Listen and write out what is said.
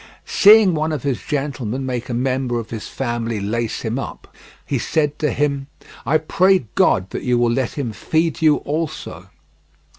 Seeing one of his gentlemen make a member of his family lace him up, he said to him: "I pray God that you will let him feed you also."